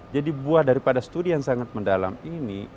jadi buah daripada studi yang sangat mendalam ini